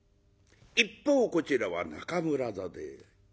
一方こちらは中村座で。